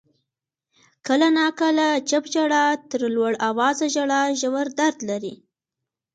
• کله ناکله چپ ژړا تر لوړ آوازه ژړا ژور درد لري.